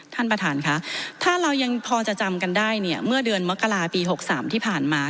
ท่านประธานค่ะถ้าเรายังพอจะจำกันได้เนี่ยเมื่อเดือนมกราปี๖๓ที่ผ่านมา